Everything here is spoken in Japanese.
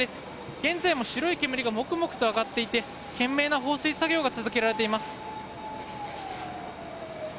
現在も白い煙がもくもくと上がっていて懸命な放水作業が続けられています。